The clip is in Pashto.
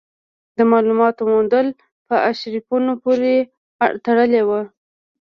د مالوماتو موندل په ارشیفونو پورې تړلي وو.